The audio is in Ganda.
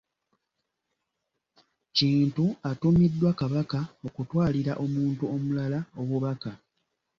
Kintu atumiddwa Kabaka okutwalira omuntu omulala obubaka.